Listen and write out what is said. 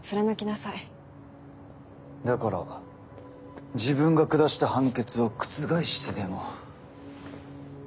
だから自分が下した判決を覆してでも。